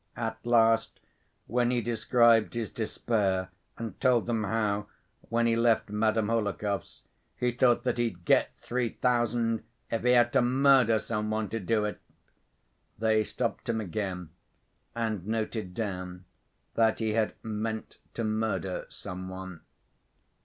At last, when he described his despair and told them how, when he left Madame Hohlakov's, he thought that he'd "get three thousand if he had to murder some one to do it," they stopped him again and noted down that he had "meant to murder some one."